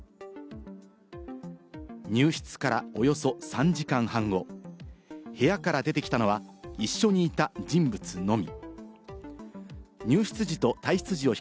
入室からおよそ３時間半後、部屋から出てきたのは一緒にいた人物のみ。